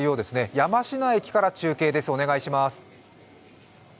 山科駅から中継です。